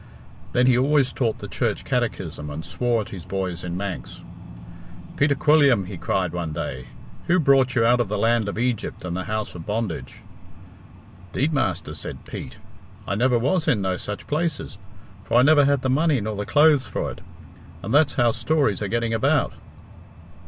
Then he always taught the Church catechism and swore at his boys in Manx. "Peter Quilliam," he cried one day, "who brought you out of the land of Egypt and the house of bondage?" "'Deed, master," said Pete, "I never was in no such places, for I never had the money nor the clothes for it, and that's how stories are getting about."